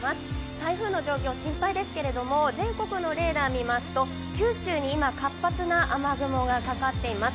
台風の状況心配ですけども全国のレーダー見ると、九州に今活発な雨雲がかかっています。